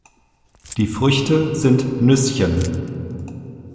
Die Früchte sind Nüsschen.